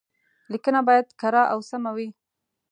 ليکنه بايد کره او سمه وي.